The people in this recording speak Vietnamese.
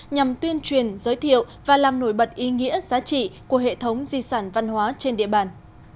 nhằm tuyên truyền giới thiệu và làm nổi bật ý nghĩa giá trị của hệ thống di sản văn hóa trên địa bàn